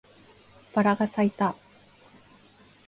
バラが咲いた